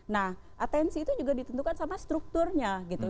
nah atensi itu juga ditentukan sama strukturnya gitu